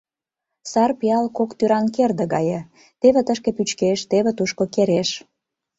Сар пиал кок тӱран керде гае: теве тышке пӱчкеш, теве тушко кереш.